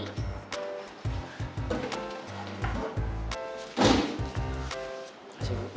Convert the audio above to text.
terima kasih bu